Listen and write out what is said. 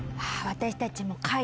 私たちも。